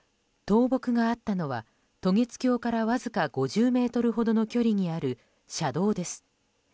倒木があったのは渡月橋からわずか５０ｍほどの距離にある車道です。